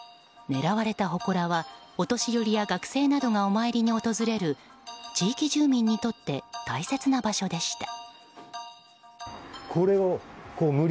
狙われたほこらはお年寄りや学生などがお参りに訪れる地域住民にとって大切な場所でした。